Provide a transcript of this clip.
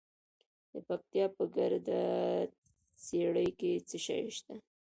د پکتیا په ګرده څیړۍ کې څه شی شته؟